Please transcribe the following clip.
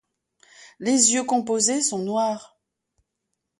Les yeux composés sont noirs.